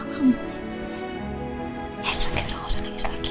hands up ya udah gak usah nangis lagi